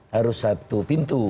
harus satu pintu